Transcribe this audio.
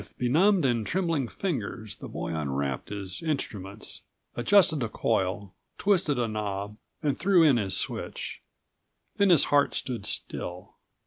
With benumbed and trembling fingers the boy unwrapped his instruments, adjusted a coil, twisted a knob and threw in his switch. Then his heart stood still.